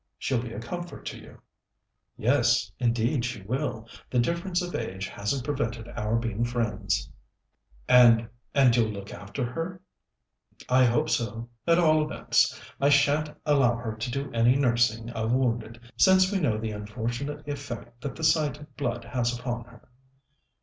"She'll be a comfort to you." "Yes, indeed she will. The difference of age hasn't prevented our being friends." "And and you'll look after her?" "I hope so. At all events, I shan't allow her to do any nursing of wounded, since we know the unfortunate effect that the sight of blood has upon her."